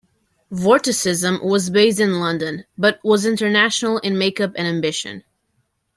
Vorticism was based in London but was international in make-up and ambition.